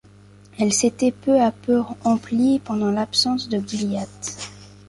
Elle s’était peu à peu emplie pendant l’absence de Gilliatt.